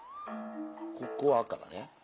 ここ赤だね。